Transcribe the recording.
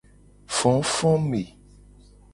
Fofome.